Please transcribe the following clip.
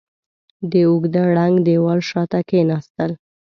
د اوږده ړنګ دېوال شاته کېناستل.